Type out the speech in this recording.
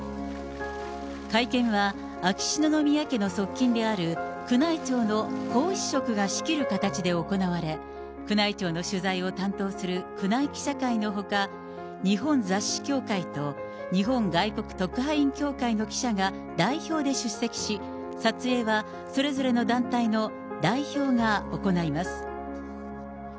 会見は、秋篠宮家の側近である宮内庁の皇嗣職が仕切る形で行われ、宮内庁の取材を担当する宮内記者会のほか、日本雑誌協会と日本外国特派員協会の記者が代表で出席し、撮影はそれぞれの団体の代表が行います。